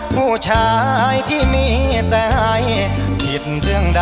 ผู้ชายที่มีแต่ให้ผิดเรื่องใด